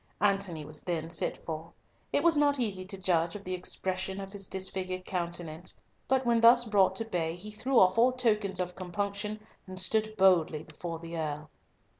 Antony was then sent for. It was not easy to judge of the expression of his disfigured countenance, but when thus brought to bay he threw off all tokens of compunction, and stood boldly before the Earl.